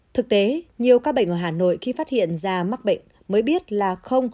thực tế nhiều ca bệnh ở hà nội khi phát hiện da mắc bệnh mới biết là không